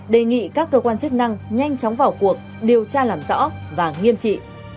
đề nghị các cơ quan chức năng nhanh chóng vào cuộc điều tra làm rõ và nghiêm trị